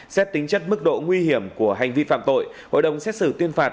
xét tính chất mức độ nguy hiểm của hành vi phạm tội hội đồng xét xử tuyên phạt